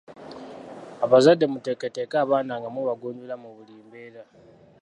Abazadde muteeketeeke abaana nga mubagunjula mu buli mbeera.